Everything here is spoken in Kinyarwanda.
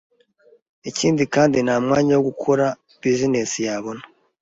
Ikindi kandi nta mwanya wo gukora bizinesi yabona,